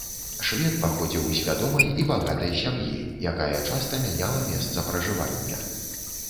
Швед паходзіў з вядомай і багатай сям'і, якая часта мяняла месца пражывання.